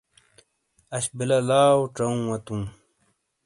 اݜ بلا لاؤ ڇاوہ واتو۔